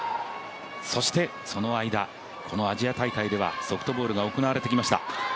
そして、その間このアジア大会ではソフトボールが行われてきました。